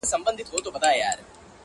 بې پروا له شنه اسمانه؛